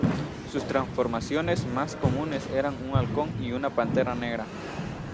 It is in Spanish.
Sus transformaciones más comunes eran un halcón y una pantera negra.